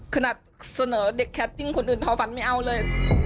ขนาดเสนอเด็กแคปติ้งคนอื่นท้อฟันไม่เอาเลย